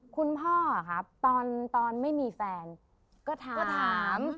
คุณพ่อครับตอนไม่มีแฟนก็ถามก็ถาม